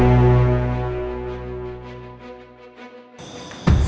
saya ingin mengucapkan kepada anda